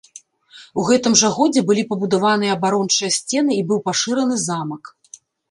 У гэтым жа годзе былі пабудаваныя абарончыя сцены і быў пашыраны замак.